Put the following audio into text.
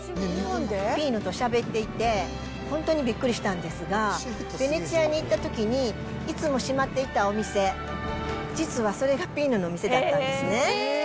ピーノとしゃべっていて、本当にびっくりしたんですが、ヴェネツィアに行ったときに、いつも閉まっていたお店、実はそれがピーノの店だったんですね。